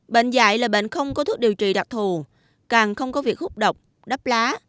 bệnh dạy là bệnh không có thuốc điều trị đặc thù càng không có việc hút độc đắp lá